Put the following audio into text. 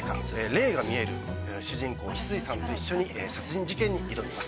霊が見える主人公翡翠さんと一緒に殺人事件に挑みます。